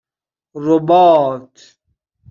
رباط